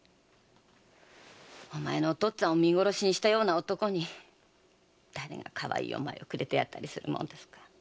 お前のお父っつぁんを見殺しにしたような男に誰がかわいいお前をくれてやったりするもんですか。